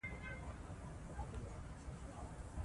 یو پیاوړی نظام هغه دی چې خپل مشروعیت له خپل ولس څخه ترلاسه کړي.